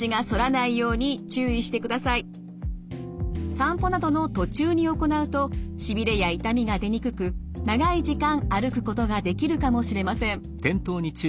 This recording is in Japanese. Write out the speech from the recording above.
散歩などの途中に行うとしびれや痛みが出にくく長い時間歩くことができるかもしれません。